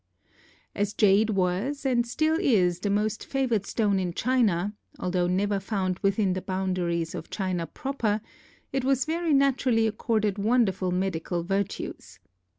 As jade was and still is the most favored stone in China, although never found within the boundaries of China proper, it was very naturally accorded wonderful medical virtues.